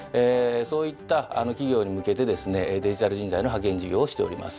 そういった企業に向けてですねデジタル人材の派遣事業をしております。